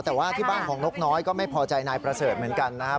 แต่ว่าที่บ้านของนกน้อยก็ไม่พอใจนายประเสริฐเหมือนกันนะครับ